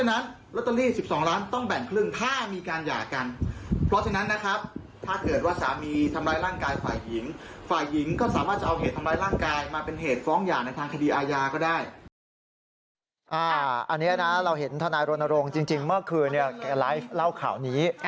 อันนี้นะเราเห็นธนายโรนโลงจริงเมื่อคืนไลฟ์เล่าข่าวนี้